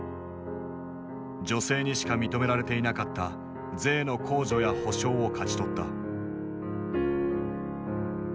女性にしか認められていなかった税の控除や保障を勝ち取った。